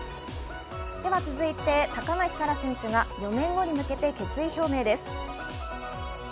では続いて、高梨沙羅選手が４年後に向けて決意表明です。